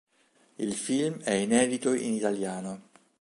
Il film è inedito in italiano.